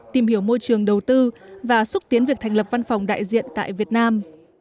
tìm hiểu môi trường đầu tư và xúc tiến việc thành lập văn phòng đại diện tại việt nam